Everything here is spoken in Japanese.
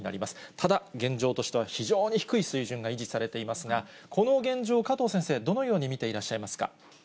ただ現状としては、非常に低い水準が維持されていますが、この現状を加藤先生、どのように見ていらっしゃいますか。